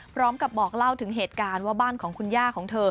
พร้อมกับบอกเล่าถึงเหตุการณ์ว่าบ้านของคุณย่าของเธอ